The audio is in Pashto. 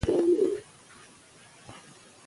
ابدالیانو په ژمي کې په اوبې سيمه کې ژوند کاوه.